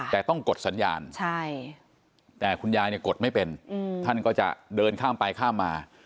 แต่ต้องกดสัญญาณแต่คุณยายเนี่ยกดไม่เป็นท่านก็จะเดินข้ามไปข้ามมา